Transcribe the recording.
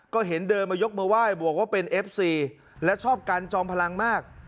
ก็เห็นเดินมายกมือไหว้บวกว่าเป็นเอฟซีและชอบกันจอมพลังมาก